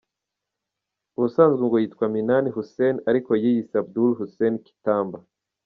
Ubusanzwe ngo yitwa Minani Hussein, ariko yiyise Abdul Hussein Kitamba.